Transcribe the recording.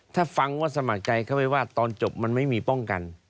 ถ้าฟังว่าสมัครใจเข้าไปว่าตอนจบมันไม่มีป้องกัน